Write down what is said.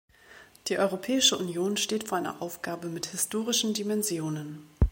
Die Europäische Union steht vor einer Aufgabe mit historischen Dimensionen.